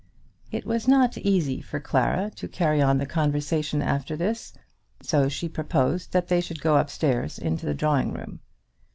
It was not easy for Clara to carry on the conversation after this, so she proposed that they should go up stairs into the drawing room.